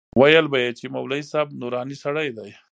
ويل به يې چې مولوي صاحب نوراني سړى دى.